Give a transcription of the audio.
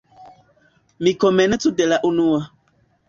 Mi komencu de la unua.